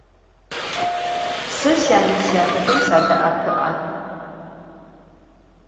Se syane - syatexem sade'epı'e.